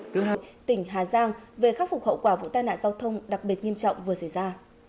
hà tỉnh hà giang về khắc phục hậu quả vụ tai nạn giao thông đặc biệt nghiêm trọng vừa xảy ra